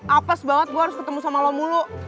apes banget gue harus ketemu sama lo mulu